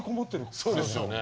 そうですよね。